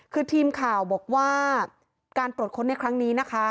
คือทีมข่าวบอกว่าการตรวจค้นในครั้งนี้นะคะ